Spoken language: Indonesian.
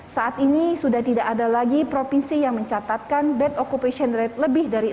saat ini sudah tidak ada lagi provinsi yang mencatatkan bad occupancy rate